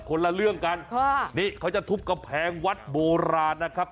คนละเรื่องกันค่ะนี่เขาจะทุบกำแพงวัดโบราณนะครับ